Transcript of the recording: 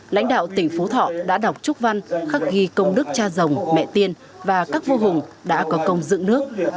lãnh đạo tỉnh phú thọ đã đọc chúc văn khắc ghi công đức cha rồng mẹ tiên và các vua hùng đã có công dựng nước